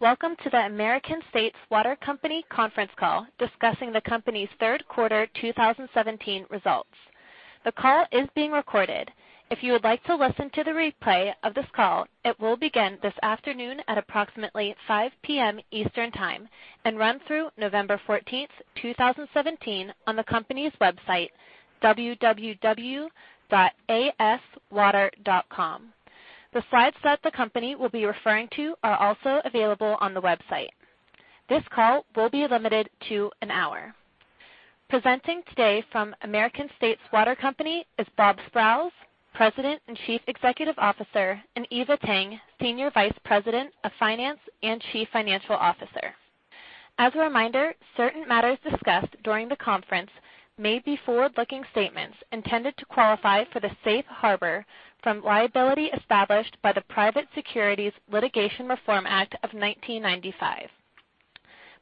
Welcome to the American States Water Company conference call discussing the company's third quarter 2017 results. The call is being recorded. If you would like to listen to the replay of this call, it will begin this afternoon at approximately 5:00 P.M. Eastern Time and run through November 14th, 2017, on the company's website, www.aswater.com. The slides that the company will be referring to are also available on the website. This call will be limited to an hour. Presenting today from American States Water Company is Bob Sprowls, President and Chief Executive Officer, and Eva Tang, Senior Vice President of Finance and Chief Financial Officer. As a reminder, certain matters discussed during the conference may be forward-looking statements intended to qualify for the safe harbor from liability established by the Private Securities Litigation Reform Act of 1995.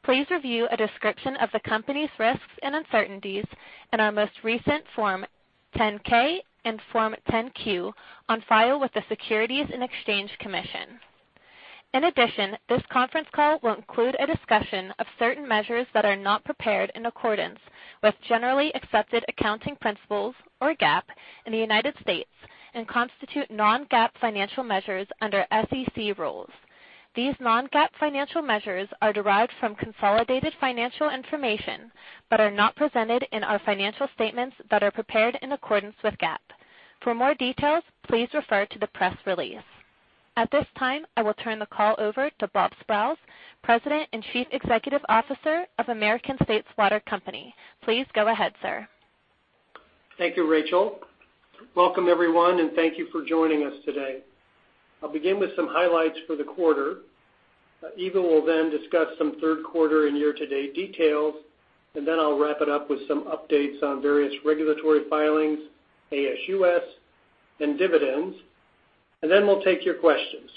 Please review a description of the company's risks and uncertainties in our most recent Form 10-K and Form 10-Q on file with the Securities and Exchange Commission. This conference call will include a discussion of certain measures that are not prepared in accordance with generally accepted accounting principles, or GAAP, in the United States and constitute non-GAAP financial measures under SEC rules. These non-GAAP financial measures are derived from consolidated financial information but are not presented in our financial statements that are prepared in accordance with GAAP. For more details, please refer to the press release. At this time, I will turn the call over to Bob Sprowls, President and Chief Executive Officer of American States Water Company. Please go ahead, sir. Thank you, Rachel. Welcome, everyone, and thank you for joining us today. I'll begin with some highlights for the quarter. Eva will then discuss some third quarter and year-to-date details, and then I'll wrap it up with some updates on various regulatory filings, ASUS, and dividends, and then we'll take your questions.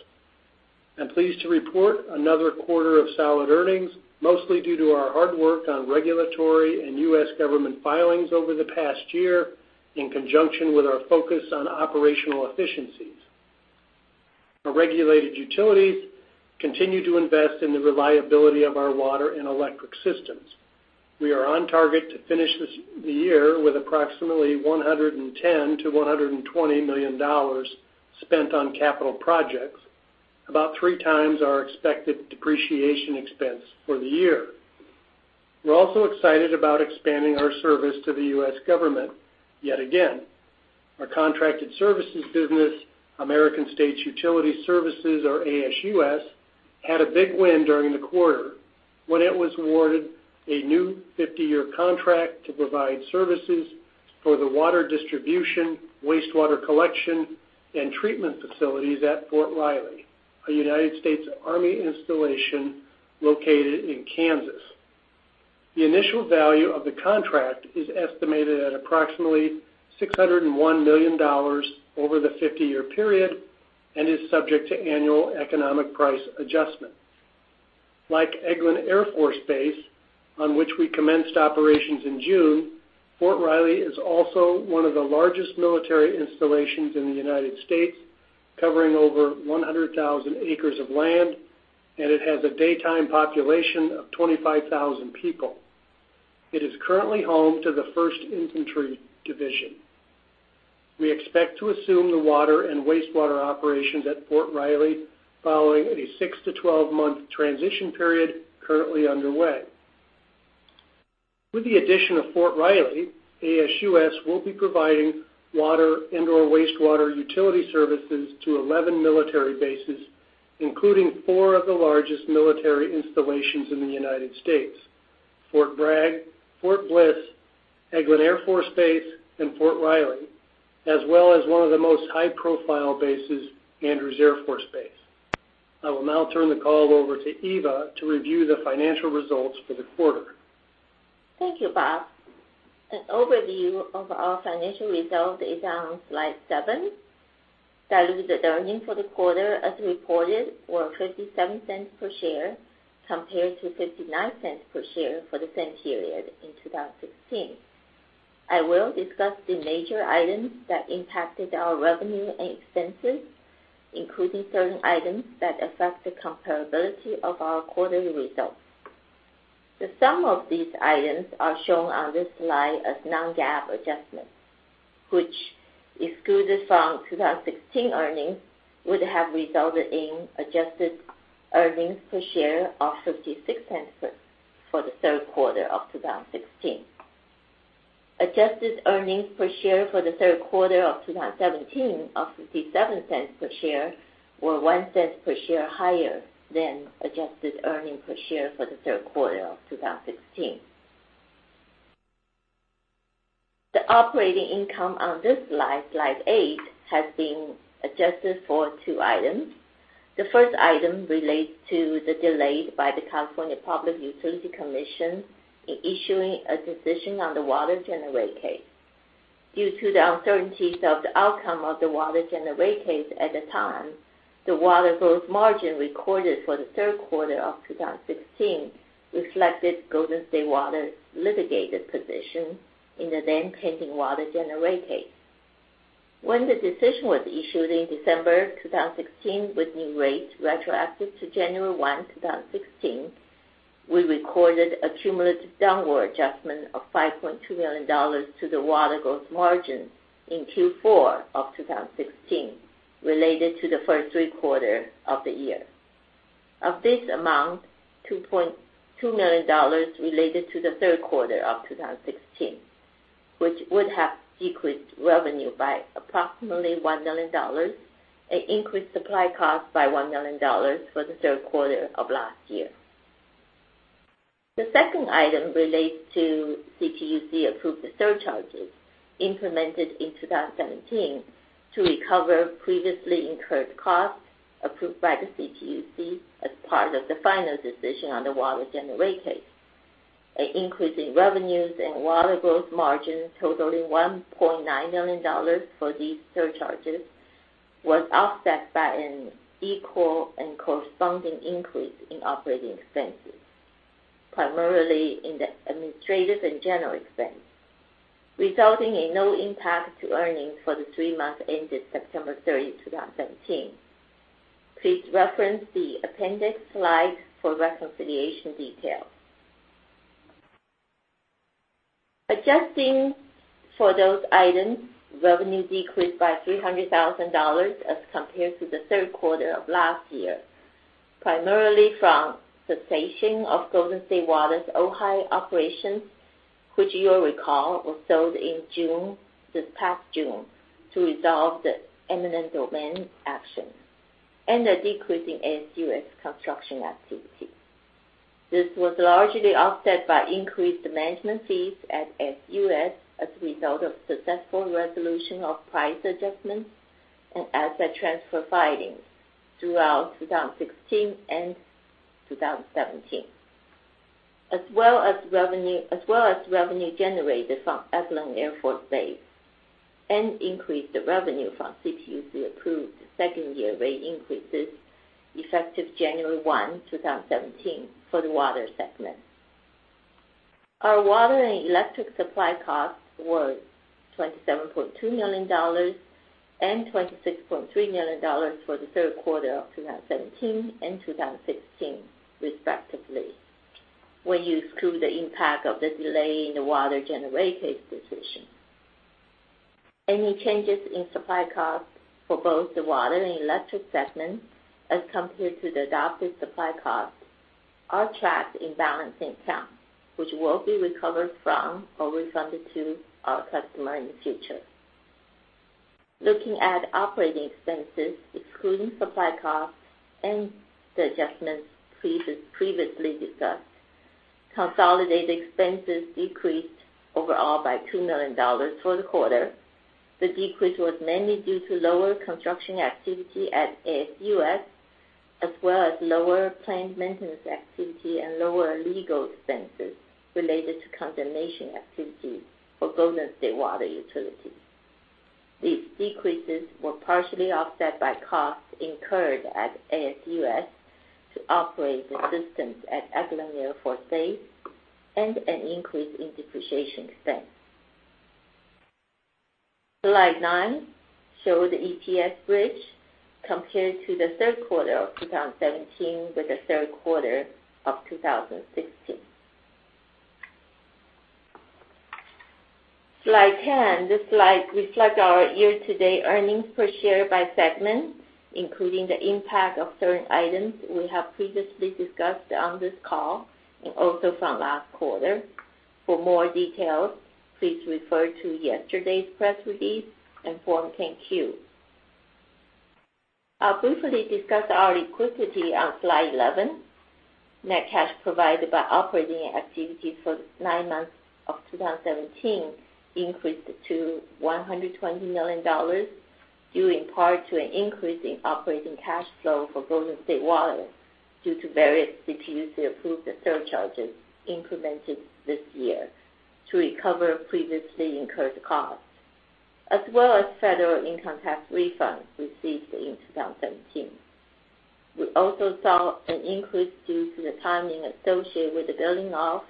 I'm pleased to report another quarter of solid earnings, mostly due to our hard work on regulatory and U.S. government filings over the past year, in conjunction with our focus on operational efficiencies. Our regulated utilities continue to invest in the reliability of our water and electric systems. We are on target to finish the year with approximately $110 million-$120 million spent on capital projects, about three times our expected depreciation expense for the year. We're also excited about expanding our service to the U.S. government yet again. Our contracted services business, American States Utility Services, or ASUS, had a big win during the quarter when it was awarded a new 50-year contract to provide services for the water distribution, wastewater collection, and treatment facilities at Fort Riley, a United States Army installation located in Kansas. The initial value of the contract is estimated at approximately $601 million over the 50-year period and is subject to annual economic price adjustments. Like Eglin Air Force Base, on which we commenced operations in June, Fort Riley is also one of the largest military installations in the United States, covering over 100,000 acres of land, and it has a daytime population of 25,000 people. It is currently home to the 1st Infantry Division. We expect to assume the water and wastewater operations at Fort Riley following a six- to 12-month transition period currently underway. With the addition of Fort Riley, ASUS will be providing water and/or wastewater utility services to 11 military bases, including four of the largest military installations in the U.S.: Fort Bragg, Fort Bliss, Eglin Air Force Base, and Fort Riley, as well as one of the most high-profile bases, Andrews Air Force Base. I will now turn the call over to Eva to review the financial results for the quarter. Thank you, Bob. An overview of our financial results is on slide seven. Diluted earnings for the quarter as reported were $0.57 per share, compared to $0.59 per share for the same period in 2016. I will discuss the major items that impacted our revenue and expenses, including certain items that affect the comparability of our quarterly results. The sum of these items are shown on this slide as non-GAAP adjustments, which, excluded from 2016 earnings, would have resulted in adjusted earnings per share of $0.56 for the third quarter of 2016. Adjusted earnings per share for the third quarter of 2017 of $0.57 per share were $0.01 per share higher than adjusted earnings per share for the third quarter of 2016. The operating income on this slide eight, has been adjusted for two items. The first item relates to the delay by the California Public Utilities Commission in issuing a decision on the Water General Rate Case. Due to the uncertainties of the outcome of the Water General Rate Case at the time, the water gross margin recorded for the third quarter of 2016 reflected Golden State Water's litigated position in the then-pending Water General Rate Case. When the decision was issued in December 2016 with new rates retroactive to January 1, 2016, we recorded a cumulative downward adjustment of $5.2 million to the water gross margin in Q4 of 2016 related to the first three quarters of the year. Of this amount, $2.2 million related to the third quarter of 2016, which would have decreased revenue by approximately $1 million, an increased supply cost by $1 million for the third quarter of last year. The second item relates to CPUC-approved surcharges implemented in 2017 to recover previously incurred costs approved by the CPUC as part of the final decision on the Water General Rate Case. An increase in revenues and water gross margin totaling $1.9 million for these surcharges was offset by an equal and corresponding increase in operating expenses, primarily in the administrative and general expense, resulting in no impact to earnings for the three months ended September 30, 2017. Please reference the appendix slides for reconciliation details. Adjusting for those items, revenue decreased by $300,000 as compared to the third quarter of last year, primarily from cessation of Golden State Water Ojai operations, which you'll recall was sold this past June to resolve the eminent domain action, and a decrease in ASUS construction activity. This was largely offset by increased management fees at ASUS as a result of successful resolution of price adjustments and asset transfer filings throughout 2016 and 2017. As well as revenue generated from Eglin Air Force Base, and increased revenue from CPUC-approved second-year rate increases effective January 1, 2017, for the water segment. Our water and electric supply costs were $27.2 million and $26.3 million for the third quarter of 2017 and 2016, respectively, when you exclude the impact of the delay in the Water General Rate Case decision. Any changes in supply costs for both the water and electric segments as compared to the adopted supply costs are tracked in balancing account, which will be recovered from or refunded to our customer in the future. Looking at operating expenses, excluding supply costs and the adjustments previously discussed, consolidated expenses decreased overall by $2 million for the quarter. The decrease was mainly due to lower construction activity at ASUS, as well as lower planned maintenance activity and lower legal expenses related to condemnation activity for Golden State Water Utility. These decreases were partially offset by costs incurred at ASUS to operate the systems at Eglin Air Force Base and an increase in depreciation expense. Slide nine shows EPS bridge compared to the third quarter of 2017 with the third quarter of 2016. Slide 10. This slide reflects our year-to-date earnings per share by segment, including the impact of certain items we have previously discussed on this call, and also from last quarter. For more details, please refer to yesterday's press release and Form 10-Q. I'll briefly discuss our liquidity on slide 11. Net cash provided by operating activities for the nine months of 2017 increased to $120 million, due in part to an increase in operating cash flow for Golden State Water due to various CPUC-approved surcharges implemented this year to recover previously incurred costs, as well as federal income tax refunds received in 2017. We also saw an increase due to the timing associated with the billing of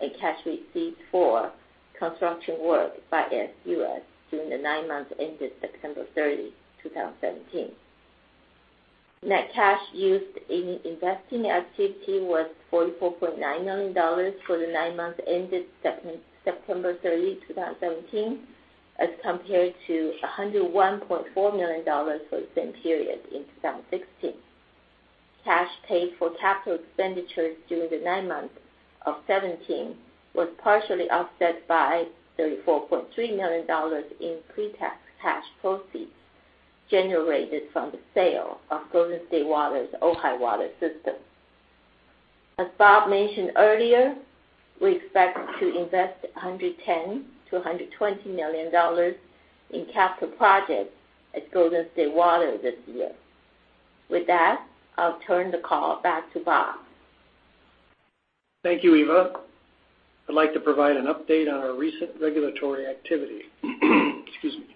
a cash receipt for construction work by ASUS during the nine months ended September 30, 2017. Net cash used in investing activity was $44.9 million for the nine months ended September 30, 2017, as compared to $101.4 million for the same period in 2016. Cash paid for capital expenditures during the nine months of 2017 was partially offset by $34.3 million in pre-tax cash proceeds generated from the sale of Golden State Water's Ojai water system. As Bob mentioned earlier, we expect to invest $110 million-$120 million in capital projects at Golden State Water this year. With that, I'll turn the call back to Bob. Thank you, Eva. I'd like to provide an update on our recent regulatory activity. Excuse me.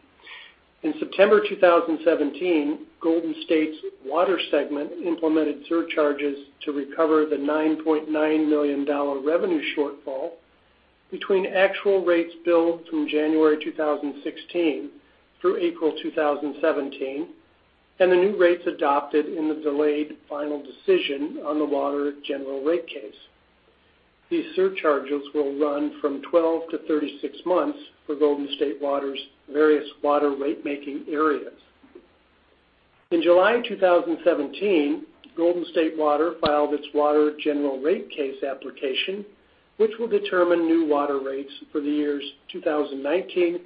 In September 2017, Golden State's water segment implemented surcharges to recover the $9.9 million revenue shortfall between actual rates billed from January 2016 through April 2017, and the new rates adopted in the delayed final decision on the Water General Rate Case. These surcharges will run from 12 to 36 months for Golden State Water's various water rate-making areas. In July 2017, Golden State Water filed its Water General Rate Case application, which will determine new water rates for the years 2019,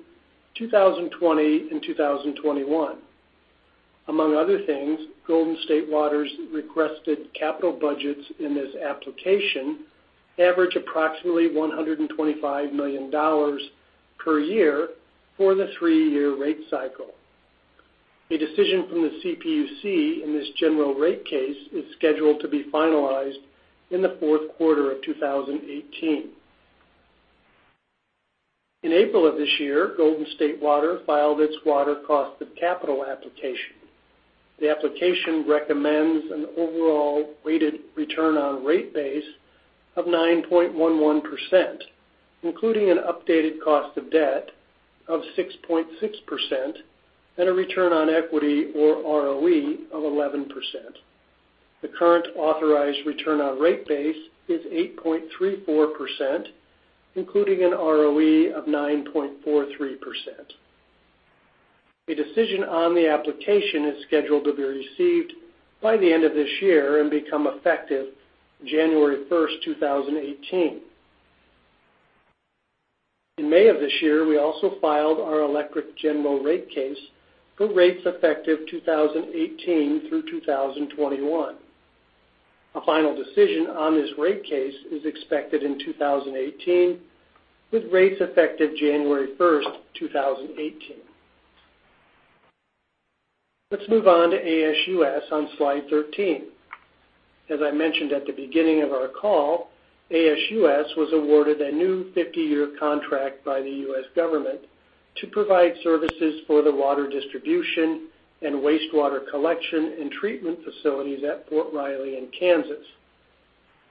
2020, and 2021. Among other things, Golden State Water requested capital budgets in this application average approximately $125 million per year for the three-year rate cycle. A decision from the CPUC in this general rate case is scheduled to be finalized in the fourth quarter of 2018. In April of this year, Golden State Water filed its Water Cost of Capital application. The application recommends an overall weighted return on rate base of 9.11%, including an updated cost of debt of 6.6% and a return on equity, or ROE, of 11%. The current authorized return on rate base is 8.34%, including an ROE of 9.43%. A decision on the application is scheduled to be received by the end of this year and become effective January 1st, 2018. In May of this year, we also filed our Electric General Rate Case for rates effective 2018 through 2021. A final decision on this rate case is expected in 2018, with rates effective January 1st, 2018. Let's move on to ASUS on slide 13. As I mentioned at the beginning of our call, ASUS was awarded a new 50-year contract by the U.S. government to provide services for the water distribution and wastewater collection and treatment facilities at Fort Riley in Kansas.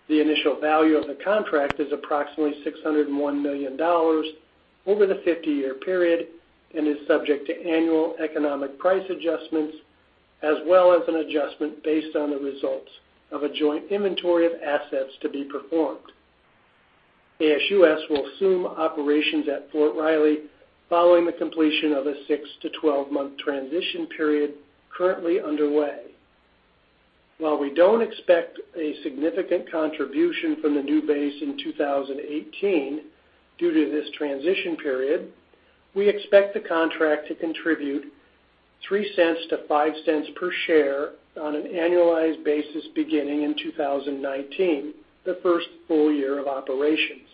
The initial value of the contract is approximately $601 million over the 50-year period and is subject to annual Economic Price Adjustments, as well as an adjustment based on the results of a joint inventory of assets to be performed. ASUS will assume operations at Fort Riley following the completion of a six to 12-month transition period currently underway. While we don't expect a significant contribution from the new base in 2018, due to this transition period, we expect the contract to contribute $0.03 to $0.05 per share on an annualized basis beginning in 2019, the first full year of operations.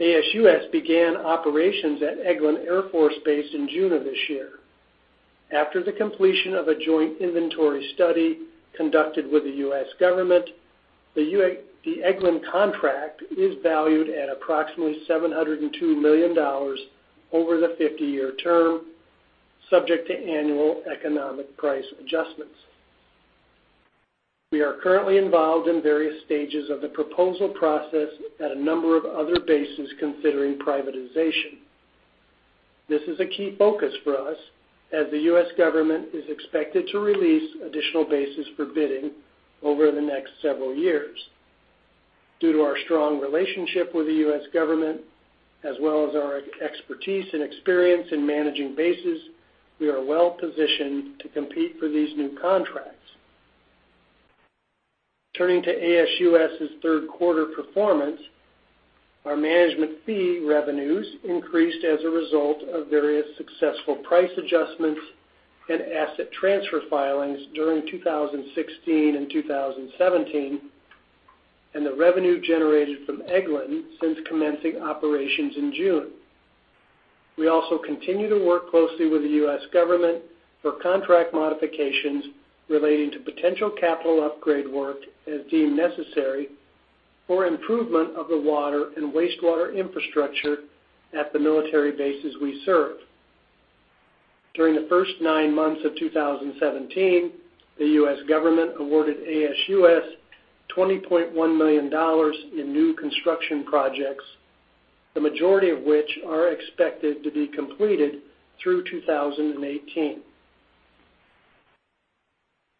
ASUS began operations at Eglin Air Force Base in June of this year. After the completion of a joint inventory study conducted with the U.S. government, the Eglin contract is valued at approximately $702 million over the 50-year term, subject to annual Economic Price Adjustments. We are currently involved in various stages of the proposal process at a number of other bases considering privatization. This is a key focus for us, as the U.S. government is expected to release additional bases for bidding over the next several years. Due to our strong relationship with the U.S. government, as well as our expertise and experience in managing bases, we are well-positioned to compete for these new contracts. Turning to ASUS's third quarter performance, our management fee revenues increased as a result of various successful price adjustments and asset transfer filings during 2016 and 2017, and the revenue generated from Eglin since commencing operations in June. We also continue to work closely with the U.S. government for contract modifications relating to potential capital upgrade work as deemed necessary for improvement of the water and wastewater infrastructure at the military bases we serve. During the first nine months of 2017, the U.S. government awarded ASUS $20.1 million in new construction projects, the majority of which are expected to be completed through 2018.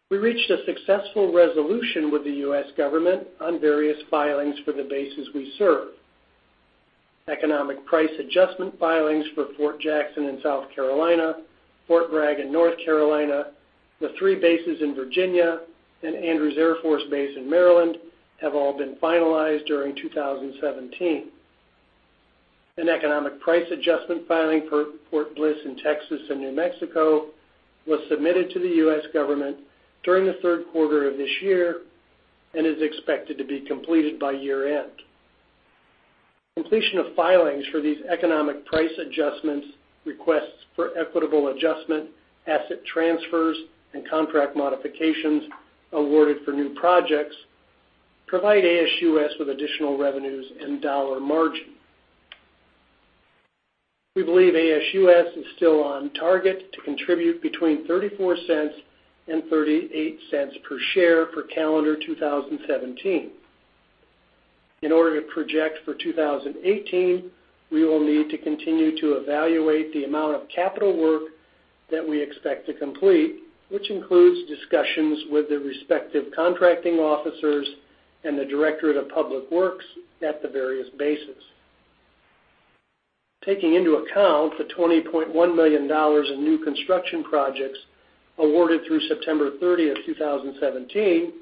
We reached a successful resolution with the U.S. government on various filings for the bases we serve. Economic Price Adjustment filings for Fort Jackson in South Carolina, Fort Bragg in North Carolina, the three bases in Virginia, and Andrews Air Force Base in Maryland have all been finalized during 2017. An Economic Price Adjustment filing for Fort Bliss in Texas and New Mexico was submitted to the U.S. government during the third quarter of this year and is expected to be completed by year-end. Completion of filings for these Economic Price Adjustments, requests for equitable adjustment, asset transfers, and contract modifications awarded for new projects provide ASUS with additional revenues and dollar margin. We believe ASUS is still on target to contribute between $0.34 and $0.38 per share for calendar 2017. In order to project for 2018, we will need to continue to evaluate the amount of capital work that we expect to complete, which includes discussions with the respective contracting officers and the Directorate of Public Works at the various bases. Taking into account the $20.1 million in new construction projects awarded through September 30th, 2017,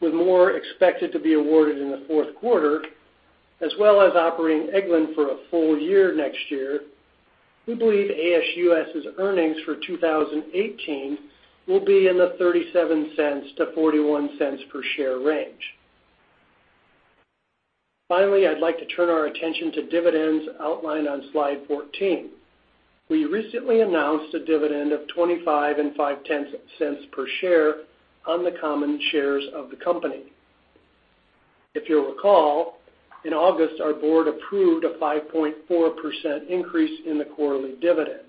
with more expected to be awarded in the fourth quarter, as well as operating Eglin for a full year next year, we believe ASUS's earnings for 2018 will be in the $0.37 to $0.41 per share range. Finally, I'd like to turn our attention to dividends outlined on slide 14. We recently announced a dividend of $0.255 per share on the common shares of the company. If you'll recall, in August, our board approved a 5.4% increase in the quarterly dividend.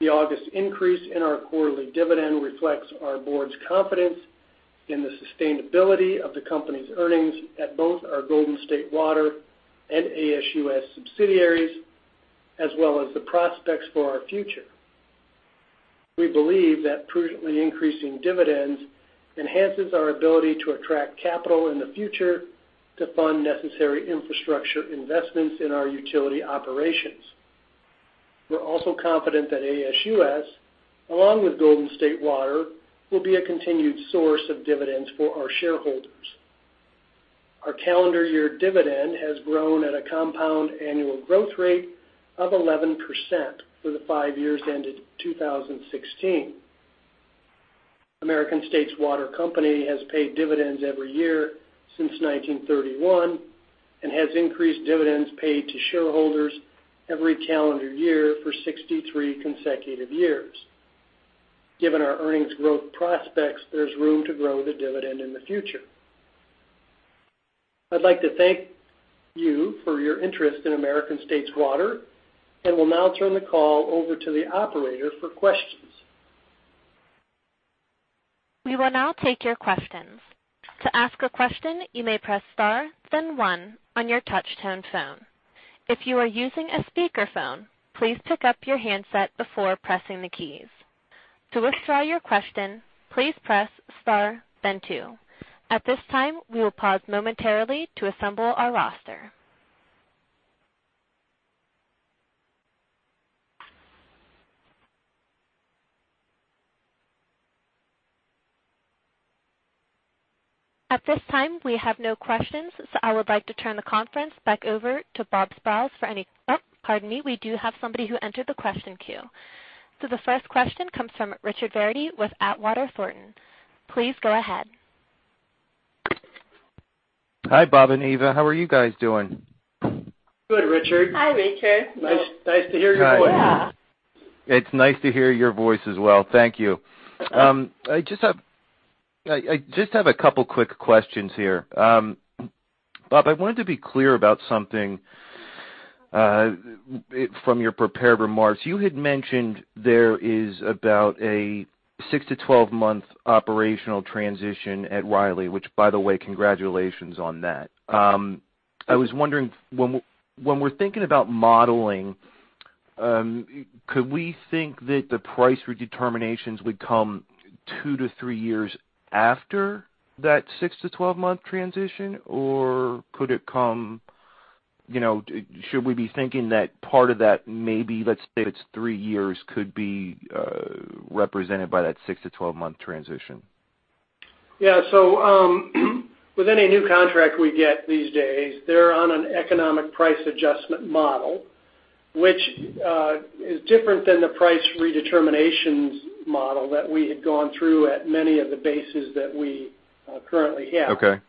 The August increase in our quarterly dividend reflects our board's confidence in the sustainability of the company's earnings at both our Golden State Water and ASUS subsidiaries, as well as the prospects for our future. We believe that prudently increasing dividends enhances our ability to attract capital in the future to fund necessary infrastructure investments in our utility operations. We're also confident that ASUS, along with Golden State Water, will be a continued source of dividends for our shareholders. Our calendar year dividend has grown at a compound annual growth rate of 11% for the five years ended 2016. American States Water Company has paid dividends every year since 1931 and has increased dividends paid to shareholders every calendar year for 63 consecutive years. Given our earnings growth prospects, there's room to grow the dividend in the future. I'd like to thank you for your interest in American States Water, will now turn the call over to the operator for questions. We will now take your questions. To ask a question, you may press star one on your touch tone phone. If you are using a speakerphone, please pick up your handset before pressing the keys. To withdraw your question, please press star two. At this time, we will pause momentarily to assemble our roster. At this time, we have no questions, I would like to turn the conference back over to Bob Sprowls for any Oh, pardon me. We do have somebody who entered the question queue. The first question comes from Richard Verdi with Atwater Thornton. Please go ahead. Hi, Bob and Eva. How are you guys doing? Good, Richard. Hi, Richard. Nice to hear your voice. Hi. Yeah. It's nice to hear your voice as well. Thank you. I just have a couple of quick questions here. Bob, I wanted to be clear about something from your prepared remarks. You had mentioned there is about a 6 to 12-month operational transition at Riley, which by the way, congratulations on that. I was wondering, when we're thinking about modeling, could we think that the price redetermination would come 2 to 3 years after that 6 to 12-month transition, or should we be thinking that part of that maybe let's say if it's 3 years, could be represented by that 6 to 12-month transition? Yeah. With any new contract we get these days, they're on an Economic Price Adjustment model, which is different than the price redetermination model that we had gone through at many of the bases that we currently have. Okay.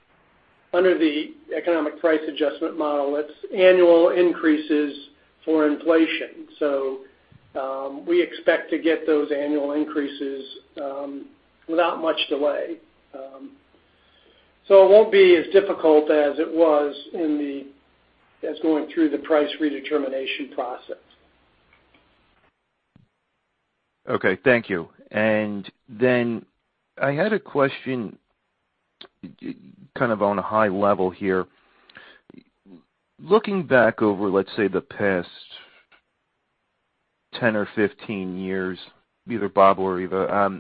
Under the Economic Price Adjustment model, it's annual increases for inflation. We expect to get those annual increases without much delay. It won't be as difficult as it was going through the price redetermination process. Okay, thank you. I had a question on a high level here. Looking back over, let's say, the past 10 or 15 years, either Bob or Eva,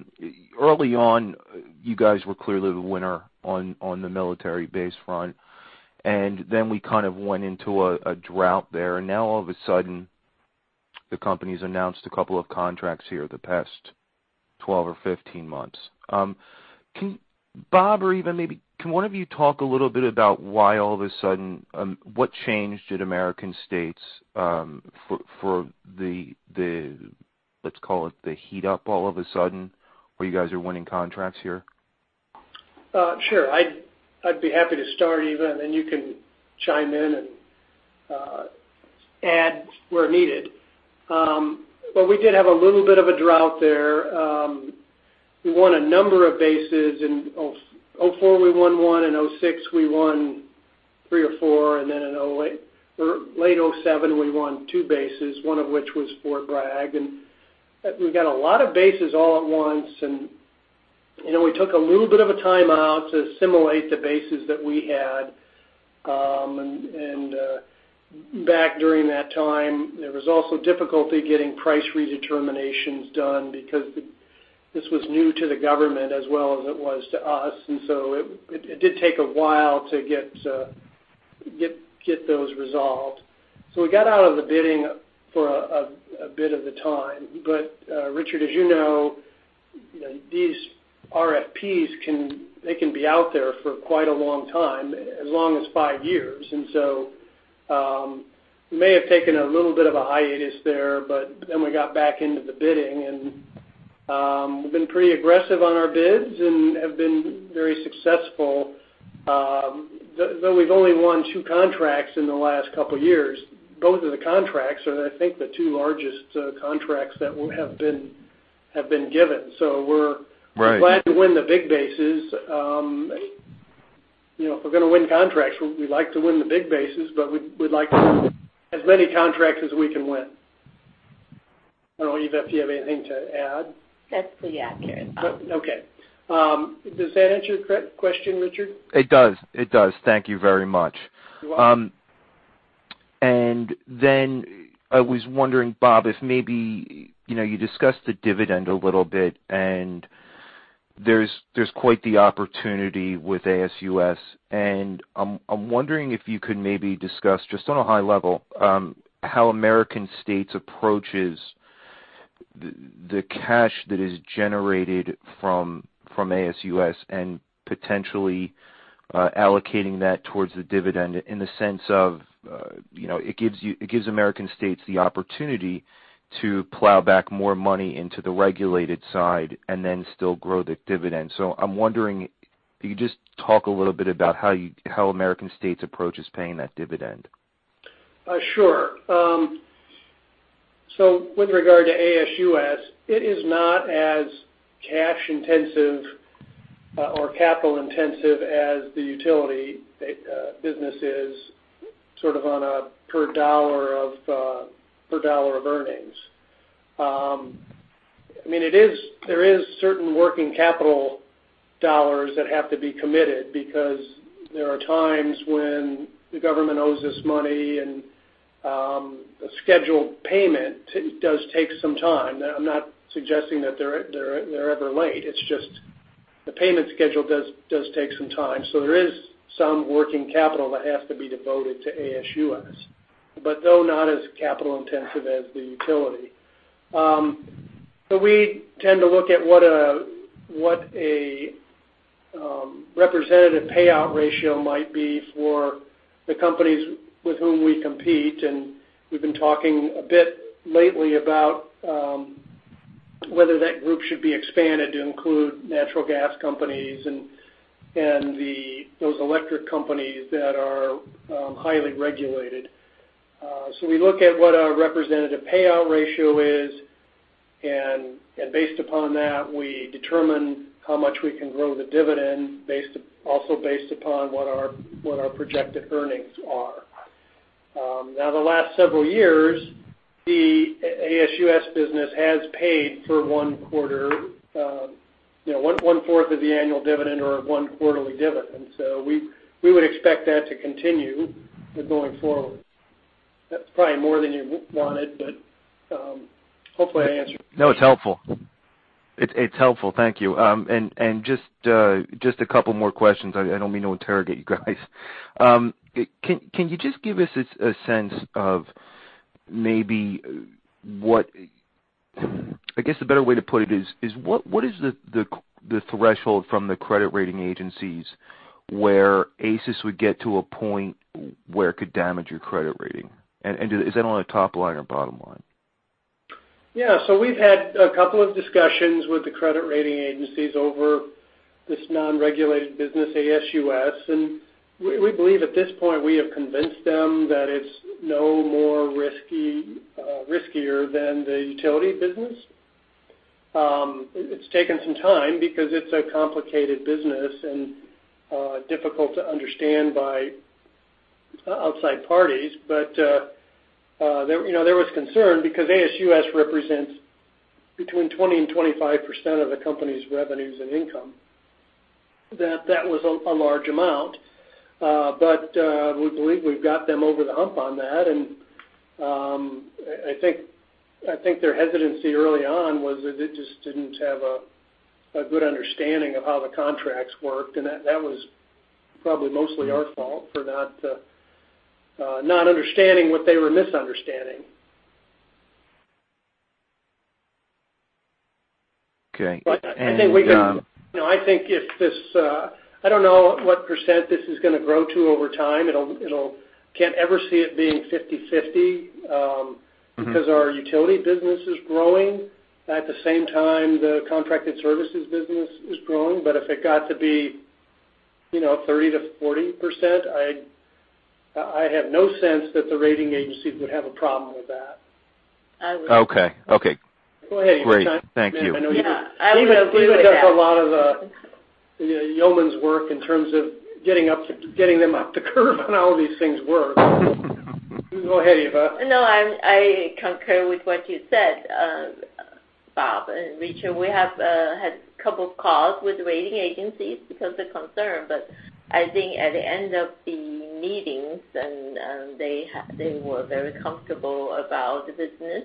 early on, you guys were clearly the winner on the military base front, then we kind of went into a drought there. Now all of a sudden, the company's announced a couple of contracts here the past 12 or 15 months. Bob or Eva, maybe can one of you talk a little bit about why all of a sudden-- what changed at American States for the, let's call it, the heat up all of a sudden where you guys are winning contracts here? Sure. I'd be happy to start, Eva, and then you can chime in and add where needed. Well, we did have a little bit of a drought there. We won a number of bases in 2004, we won 1, in 2006 we won 3 or 4, in late 2007, we won 2 bases, one of which was Fort Bragg. We got a lot of bases all at once, and we took a little bit of a timeout to assimilate the bases that we had. Back during that time, there was also difficulty getting price redetermination done because this was new to the government as well as it was to us. It did take a while to get those resolved. We got out of the bidding for a bit of the time. Richard, as you know, these RFP can be out there for quite a long time, as long as 5 years. We may have taken a little bit of a hiatus there, but then we got back into the bidding, and we've been pretty aggressive on our bids and have been very successful. Though we've only won 2 contracts in the last couple of years, both of the contracts are, I think, the 2 largest contracts that have been given. Right Glad to win the big bases. If we're going to win contracts, we like to win the big bases, but we'd like to win as many contracts as we can win. I don't know, Eva, if you have anything to add? That's pretty accurate, Bob. Okay. Does that answer your question, Richard? It does. Thank you very much. You're welcome. I was wondering, Bob, if maybe you discussed the dividend a little bit, and there's quite the opportunity with ASUS, and I'm wondering if you could maybe discuss, just on a high level, how American States approaches the cash that is generated from ASUS and potentially allocating that towards the dividend in the sense of it gives American States the opportunity to plow back more money into the regulated side and then still grow the dividend. I'm wondering, could you just talk a little bit about how American States approaches paying that dividend? Sure. With regard to ASUS, it is not as cash intensive or capital intensive as the utility business is sort of on a per dollar of earnings. There is certain working capital dollars that have to be committed because there are times when the government owes us money, and a scheduled payment does take some time. Now, I'm not suggesting that they're ever late. It's just the payment schedule does take some time. There is some working capital that has to be devoted to ASUS, but though not as capital intensive as the utility. We tend to look at what a representative payout ratio might be for the companies with whom we compete, and we've been talking a bit lately about whether that group should be expanded to include natural gas companies and those electric companies that are highly regulated. We look at what our representative payout ratio is, and based upon that, we determine how much we can grow the dividend, also based upon what our projected earnings are. Now, the last several years, the ASUS business has paid for one quarter, one fourth of the annual dividend or one quarterly dividend. We would expect that to continue going forward. That's probably more than you wanted, but hopefully I answered. No, it's helpful. Thank you. Just a couple more questions. I don't mean to interrogate you guys. Can you just give us a sense of maybe what I guess a better way to put it is, what is the threshold from the credit rating agencies where ASUS would get to a point where it could damage your credit rating? Is that on a top line or bottom line? Yeah. We've had a couple of discussions with the credit rating agencies over this non-regulated business, ASUS, and we believe at this point we have convinced them that it's no riskier than the utility business. It's taken some time because it's a complicated business and difficult to understand by outside parties. There was concern because ASUS represents between 20% and 25% of the company's revenues and income. That was a large amount. We believe we've got them over the hump on that, and I think their hesitancy early on was that they just didn't have a good understanding of how the contracts worked, and that was probably mostly our fault for not understanding what they were misunderstanding. Okay. I think if I don't know what % this is going to grow to over time. I can't ever see it being 50/50 because our utility business is growing. At the same time, the contracted services business is growing. If it got to be 30%-40%. I have no sense that the rating agencies would have a problem with that. I would. Okay, great. Thank you. Go ahead, it's fine. Yeah. I would hope they would have. Eva does a lot of the yeoman's work in terms of getting them up to curve on how these things work. Go ahead, Eva. I concur with what you said, Bob and Richard. We have had couple of calls with rating agencies because they're concerned, but I think at the end of the meetings, and they were very comfortable about the business,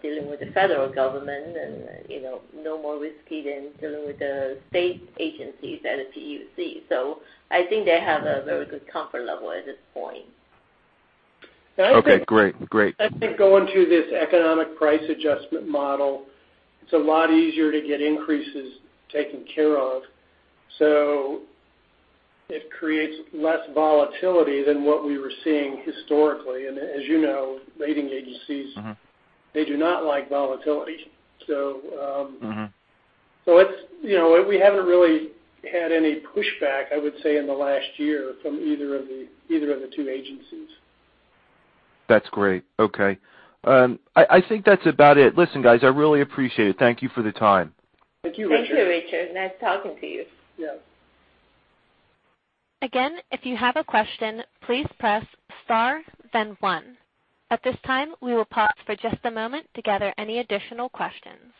dealing with the federal government and no more risky than dealing with the state agencies at a PUC. I think they have a very good comfort level at this point. Okay, great. I think going to this Economic Price Adjustment model, it's a lot easier to get increases taken care of. It creates less volatility than what we were seeing historically. As you know, rating agencies- They do not like volatility. We haven't really had any pushback, I would say, in the last year from either of the two agencies. That's great. Okay. I think that's about it. Listen, guys, I really appreciate it. Thank you for the time. Thank you, Richard. Thank you, Richard. Nice talking to you. Yes. Again, if you have a question, please press star, then one. At this time, we will pause for just a moment to gather any additional questions.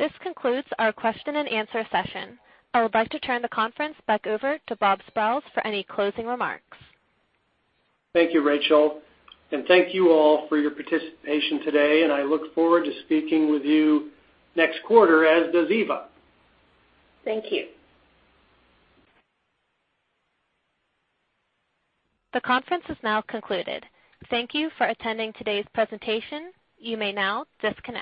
This concludes our question and answer session. I would like to turn the conference back over to Robert Sprowls for any closing remarks. Thank you, Rachel, and thank you all for your participation today, and I look forward to speaking with you next quarter, as does Eva. Thank you. The conference is now concluded. Thank you for attending today's presentation. You may now disconnect.